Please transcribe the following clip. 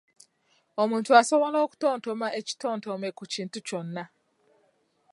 Omuntu asobola okutontoma ekitontome ku kintu kyonna.